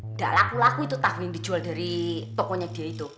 nggak laku laku itu tahu yang dijual dari tokonya dia itu